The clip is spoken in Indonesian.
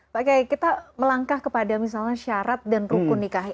pak kiai kita melangkah kepada misalnya syarat dan rukun nikah